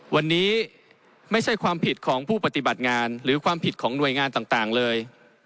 วันนี้ไม่ใช่ความผิดของผู้ปฏิบัติงานหรือความผิดของหน่วยงานต่างเลย